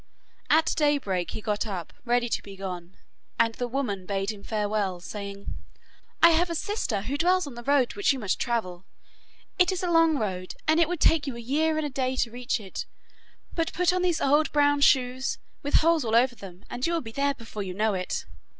At daybreak he got up, ready to be gone, and the woman bade him farewell, saying: 'I have a sister who dwells on the road which you must travel. It is a long road, and it would take you a year and a day to reach it, but put on these old brown shoes with holes all over them, and you will be there before you know it.